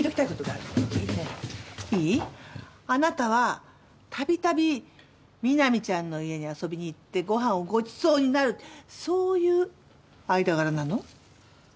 あなたは度々南ちゃんの家に遊びに行ってごはんをご馳走になるそういう間柄なの？